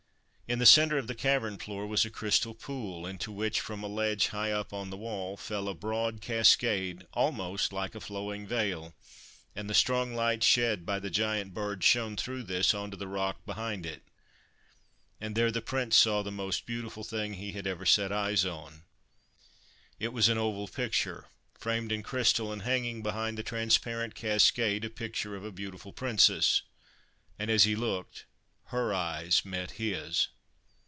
In the centre of the cavern floor was a crystal pool into which, from a ledge high up on the wall, fell a broad cascade almost like a flowing veil, and the strong light shed by the giant bird shone through i6f THE FIRE BIRD this on to the rock behind it. And there the Prince saw the most beautiful thing he had ever set eyes on. It was an oval picture, framed in crystal, and hanging behind the transparent cascade a picture of a beautiful Princess. And, as he looked, her eyes met his.